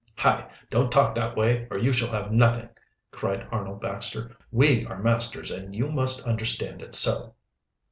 "Hi! don't talk that way, or you shall have nothing," cried Arnold Baxter. "We are masters, and you must understand it so."